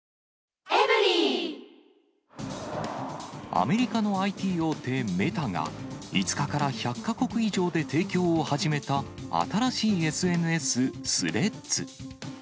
アメリカのＩＴ大手、メタが、５日から１００か国以上で提供を始めた新しいＳＮＳ、スレッズ。